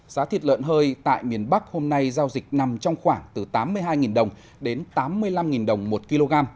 giá thịt lợn hơi tại miền bắc hôm nay giao dịch nằm trong khoảng từ tám mươi hai đồng đến tám mươi năm đồng một kg